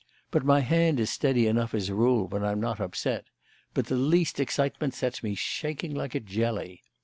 But my hand is steady enough as a rule, when I'm not upset, but the least excitement sets me shaking like a jelly.